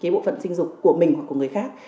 bộ phận sinh dục của mình hoặc người khác